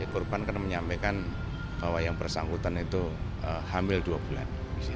korban kan menyampaikan bahwa yang bersangkutan itu hamil dua bulan